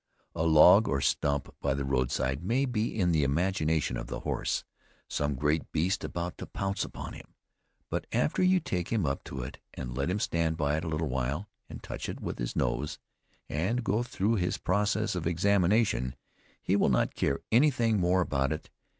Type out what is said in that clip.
A log or stump by the road side may be, in the imagination of the horse, some great beast about to pounce upon him; but after you take him up to it and let him stand by it a little while, and touch it with his nose, and go through his process of examination, he will not care any thing more about it.